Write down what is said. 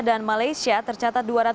kepala staff angkatan